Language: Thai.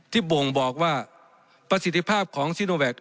บ่งบอกว่าประสิทธิภาพของซิโนแวค